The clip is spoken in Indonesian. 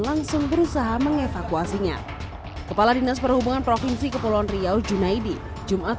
langsung berusaha mengevakuasinya kepala dinas perhubungan provinsi kepulauan riau junaidi jumat